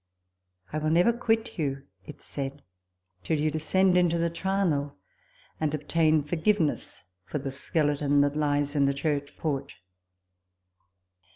" I will never quit you," it said, " till you descend into the charnel, and obtain forgiveness for the skeleton that lies in the church porch."